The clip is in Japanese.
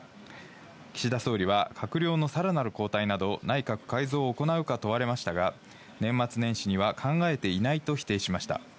岸田総理は、閣僚のさらなる交代など、内閣改造を行うか問われましたが、年末年始には考えていないと否定しました。